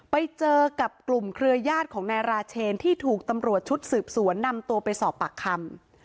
ไปเจอกับกลุ่มเครือญาติของนายราเชนที่ถูกตำรวจชุดสืบสวนนำตัวไปสอบปากคำ